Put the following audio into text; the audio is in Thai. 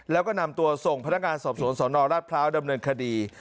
แล้วก็นำตัวส่งพนักงานสอบสวนสนราชพร้าวดำเนินคดี